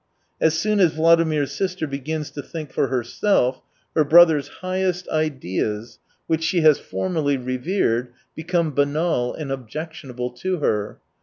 As soon as Vladimir's sister begins to think for herself, her brother's highest ideas, H 113 which she has formerly revered, become banal and objectionable to her.